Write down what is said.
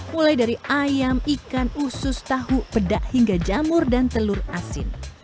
mulai dari ayam ikan usus tahu pedak hingga jamur dan telur asin